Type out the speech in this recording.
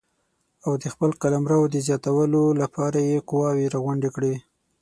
او د خپل قلمرو د زیاتولو لپاره یې قواوې راغونډې کړې.